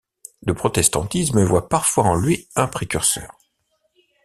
Le Protestantisme voit parfois en lui un précurseur.